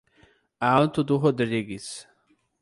Alto do Rodrigues